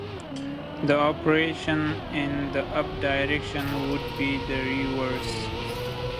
The operation in the up direction would be the reverse.